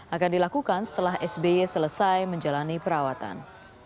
akan dilakukan setelah sby selesai menjalani perawatan